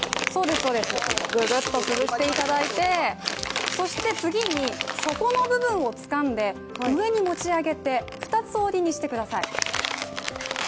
ぐぐっと潰していただいて、潰していただいて、次に底の部分をつかんで上に持ち上げて、２つ折りにしてください。